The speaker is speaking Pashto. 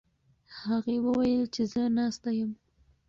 هغې وویل چې زه ناسته یم.